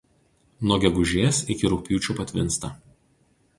Nuo gegužės iki rugpjūčio patvinsta.